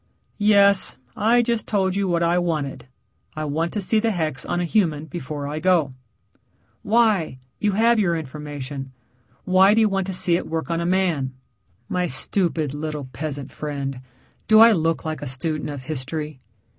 "Yes. I just told you what I wanted. I want to see the hex on a human before I go." "Why? You have your information. Why do you want to see it work on a man?" "My stupid, little peasant friend, do I look like a student of history?"